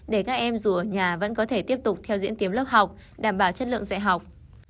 để các em dù ở nhà vẫn có thể tiếp tục theo diễn kiếm lớp học đảm bảo chất lượng dạy học